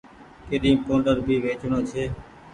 ڪريم پوڊر ڀي ويچڻو ڇي۔